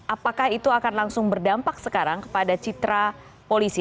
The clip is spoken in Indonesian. apakah itu akan langsung berdampak sekarang kepada citra polisi